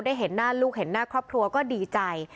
เห็นหน้าลูกเห็นหน้าครอบครัวก็ดีใจ